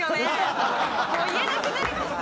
もう言えなくなりますね！